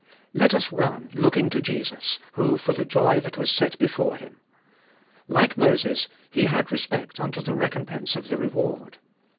Let us run, looking to Jesus, who for the joy that was set "before Him. Like Moses, He had respect unto the recompense of the reward.